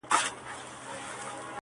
اوس چي د مځكي كرې اور اخيستـــــى.